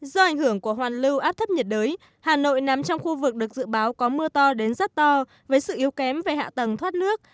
do ảnh hưởng của hoàn lưu áp thấp nhiệt đới hà nội nằm trong khu vực được dự báo có mưa to đến rất to với sự yếu kém về hạ tầng thoát nước